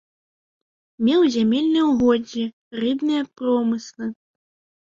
Меў зямельныя ўгоддзі, рыбныя промыслы.